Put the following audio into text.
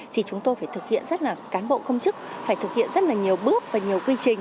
thì chúng tôi phải thực hiện rất là cán bộ công chức phải thực hiện rất là nhiều bước và nhiều quy trình